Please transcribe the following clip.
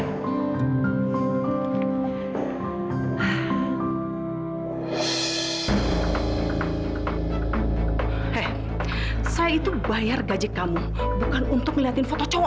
hehehe saya itu bayar gaji kamu bukan untuk ngeliatin foto coba